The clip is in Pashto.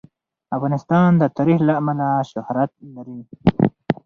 افغانستان د تاریخ له امله شهرت لري.